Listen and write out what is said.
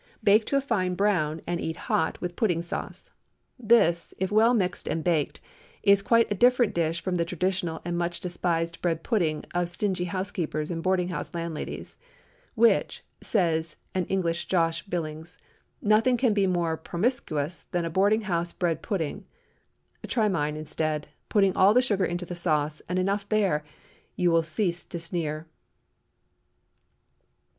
Bake to a fine brown, and eat hot with pudding sauce. This, if well mixed and baked, is quite a different dish from the traditional and much despised bread pudding of stingy housekeepers and boarding house landladies. "Which," says an English Josh. Billings, "nothing can be more promiskus than a boarding house bread pudding." Try mine instead, putting all the sugar into the sauce, and enough there, and you will cease to sneer.